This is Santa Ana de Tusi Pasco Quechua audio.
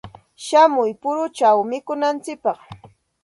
Shamuy puruchaw mikunantsikpaq.